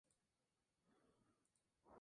Los científicos aún no se han explicado su origen.